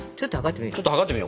ちょっと測ってみる？